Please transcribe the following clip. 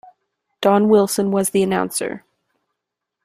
Don Wilson was the announcer.